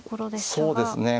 そうですね。